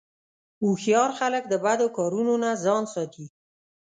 هوښیار خلک د بدو کارونو نه ځان ساتي.